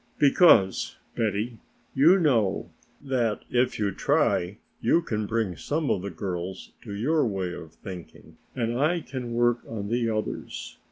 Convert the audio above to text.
"Because, Betty, you know that if you try you can bring some of the girls to your way of thinking and I can work on the others.